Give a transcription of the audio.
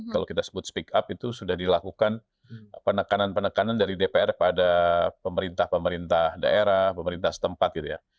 kalau kita sebut speak up itu sudah dilakukan penekanan penekanan dari dpr kepada pemerintah pemerintah daerah pemerintah setempat gitu ya